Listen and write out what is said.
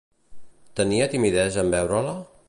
Tenia timidesa en veure-la?